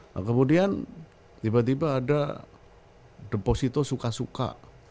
nah kemudian tiba tiba ada deposito suka suka